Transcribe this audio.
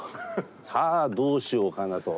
さあどうしようかなと。